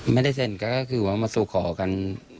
ไม่ได้เซ็นก็คือว่ามาสู่ขอกัน